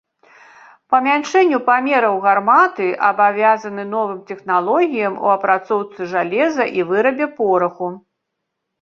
Памяншэнню памераў гарматы абавязаны новым тэхналогіям у апрацоўцы жалеза і вырабе пораху.